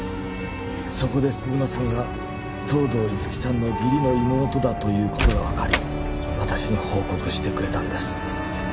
そこで鈴間さんが東堂樹生さんの義理の妹だということが分かり私に報告してくれたんです